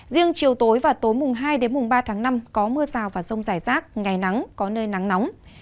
riêng chiều tối và tối hai đến ba tháng năm có mưa sào và sông dài rác ngày nắng có nơi nắng nóng